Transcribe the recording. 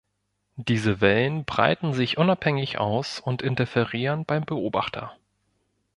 Diese Wellen breiten sich unabhängig aus und interferieren beim Beobachter.